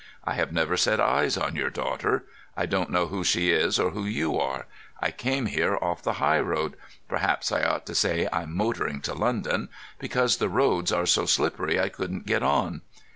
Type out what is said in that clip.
I have never set eyes on your daughter. I don't know who she is or who you are. I came here off the high road—perhaps I ought to say I'm motoring to London—because the roads are so slippery I couldn't get on.